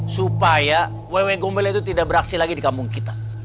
supaya ww gombele itu tidak beraksi lagi dikampung kita